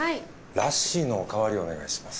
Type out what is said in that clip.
ラッシーのお代わりをお願いします。